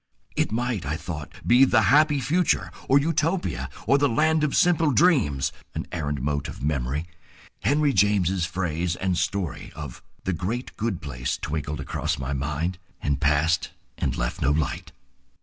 It might, I thought, be the Happy Future, or Utopia, or the Land of Simple Dreams; an errant mote of memory, Henry James's phrase and story of "The Great Good Place," twinkled across my mind, and passed and left no light.